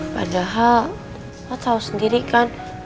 padahal lo tau sendiri kan